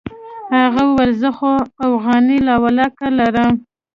هغه وويل زه خو اوغانۍ لا ولله که لرم.